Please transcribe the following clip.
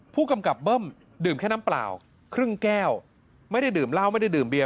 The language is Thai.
ผู้กำกับเบิ้มดื่มแค่น้ำเปล่าครึ่งแก้วไม่ได้ดื่มเหล้าไม่ได้ดื่มเบีย